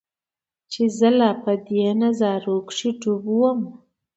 چې زۀ لا پۀ دې نظارو کښې ډوب ووم